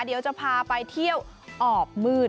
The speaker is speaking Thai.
เดี๋ยวจะพาไปเที่ยวออบมืด